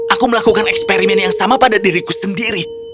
aku melakukan eksperimen yang sama pada diriku sendiri